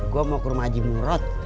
gue mau ke rumah aji murad